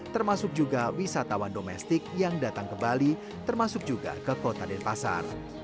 termasuk juga wisatawan domestik yang datang ke bali termasuk juga ke kota denpasar